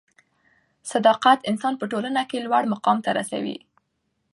صدافت انسان په ټولنه کښي لوړ مقام ته رسوي.